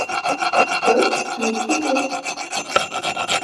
Был -Хәмиттеке.